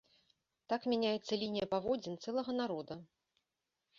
Так мяняецца лінія паводзін цэлага народа.